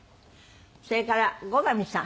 それから後上さん。